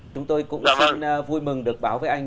chúng tôi cũng rất vui mừng được báo với anh